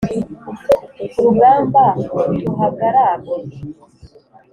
Ku rugamba tuhagarambe